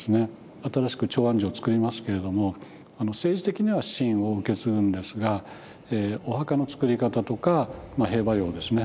新しく長安城を造りますけれどもあの政治的には秦を受け継ぐんですがお墓の作り方とか兵馬俑ですね